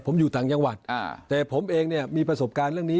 ผมอยู่ต่างจังหวัดแต่ผมเองเนี่ยมีประสบการณ์เรื่องนี้